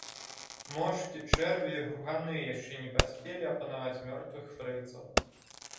Мошкі, чэрві і груганы яшчэ не паспелі апанаваць мёртвых фрыцаў.